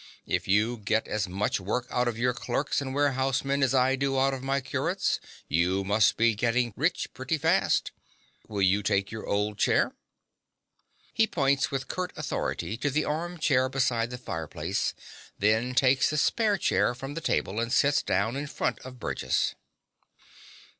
If you get as much work out of your clerks and warehousemen as I do out of my curates, you must be getting rich pretty fast. Will you take your old chair? (He points with curt authority to the arm chair beside the fireplace; then takes the spare chair from the table and sits down in front of Burgess.)